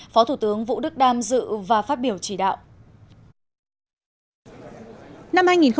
phó thủ tướng vũ đức đam dự và phát biểu chỉ đạo